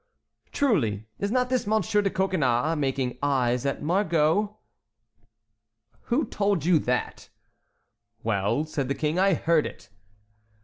"Truly, is not this Monsieur de Coconnas making eyes at Margot?" "Who told you that?" "Well," said the King, "I heard it."